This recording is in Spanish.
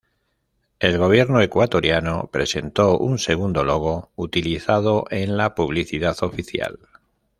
El gobierno ecuatoriano presentó un segundo logo, utilizado en la publicidad oficial.